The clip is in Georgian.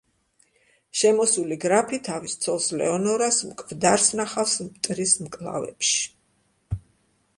შემოსული გრაფი თავის ცოლს, ლეონორას მკვდარს ნახავს მტრის მკლავებში.